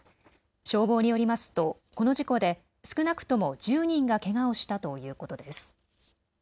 消防によりますと、この事故で少なくとも１０人がけがをしたということです。